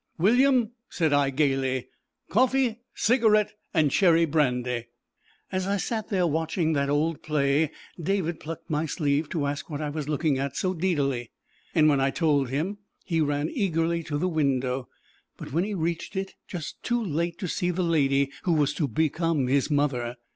"William," said I gaily, "coffee, cigarette, and cherry brandy." As I sat there watching that old play David plucked my sleeve to ask what I was looking at so deedily; and when I told him he ran eagerly to the window, but he reached it just too late to see the lady who was to become his mother.